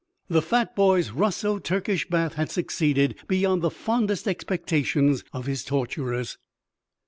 The fat boy's Russo Turkish bath had succeeded beyond the fondest expectations of his torturers.